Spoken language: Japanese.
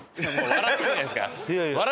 笑っちゃってるじゃないですか。